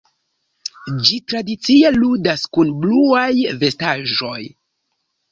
Ĝi tradicie ludas kun bluaj vestaĵoj.